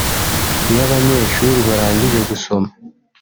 Iyo abanyeshuri barangije gusoma